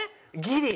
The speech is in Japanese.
ギリ。